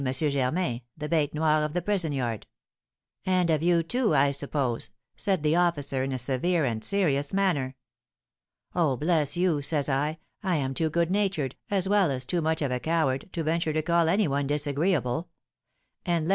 Germain, the bête noire of the prison yard.' 'And of you, too, I suppose?' said the officer, in a severe and serious manner. 'Oh, bless you,' says I, 'I am too good natured, as well as too much of a coward, to venture to call any one disagreeable; and less M.